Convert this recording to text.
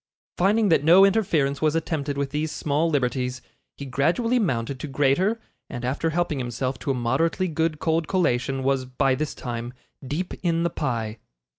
Finding that no interference was attempted with these small liberties, he gradually mounted to greater, and, after helping himself to a moderately good cold collation, was, by this time, deep in the pie.